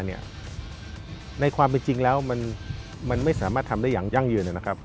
ในความเป็นจริงแล้วมันไม่สามารถทำได้อย่างยั่งยืนนะครับ